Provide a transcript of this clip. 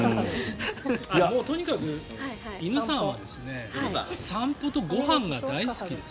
とにかく犬さんは散歩とご飯が大好きです。